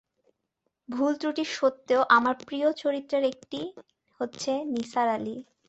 ভুলত্রুটি সত্ত্বেও আমার প্রিয় চরিত্রের একটি হচ্ছে নিসার আলি।